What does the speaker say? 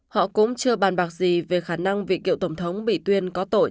họ cũng chưa bàn bạc gì về khả năng việc cựu tổng thống bị tuyên có tội